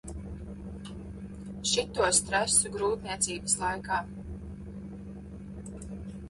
Šito stresu grūtniecības laikā.